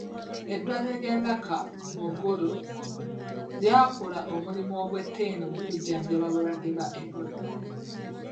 Eddwaliro lya Lacor mu Gulu lyakola omulimu ogw'ettendo mu kujjanjaba abalwadde ba Ebola.